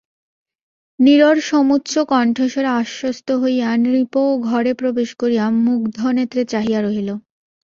নীরর সমুচ্চ কণ্ঠস্বরে আশ্বস্ত হইয়া নৃপও ঘরে প্রবেশ করিয়া মুগ্ধনেত্রে চাহিয়া রহিল।